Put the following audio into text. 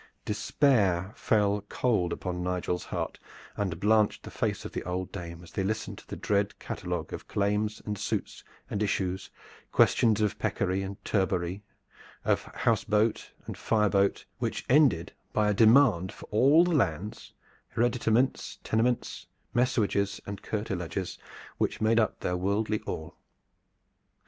Despair fell cold upon Nigel's heart and blanched the face of the old dame as they listened to the dread catalogue of claims and suits and issues, questions of peccary and turbary, of house bote and fire bote, which ended by a demand for all the lands, hereditaments, tenements, messuages and curtilages, which made up their worldly all.